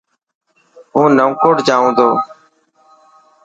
هون نئون ڪوٽ جائون تو.